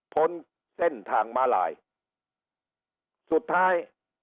พ้นเส้นทางมาลายสุดท้าย